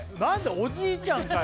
おじいちゃんかよ